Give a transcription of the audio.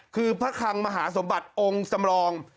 คือพระคังมหาสมบัติองค์จำลอง